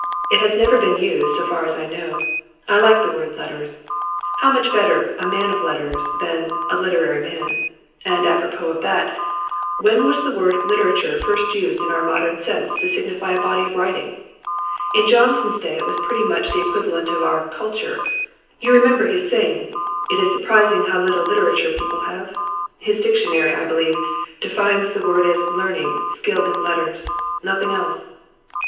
It has never been used, so far as I know. I like the word "letters." How much better "a man of letters" than "a literary man"! And apropos of that, when was the word "literature" first used in our modern sense to signify a body of writing? In Johnson's day it was pretty much the equivalent of our "culture." You remember his saying, "It is surprising how little literature people have." His dictionary, I believe, defines the word as "learning, skill in letters" nothing else.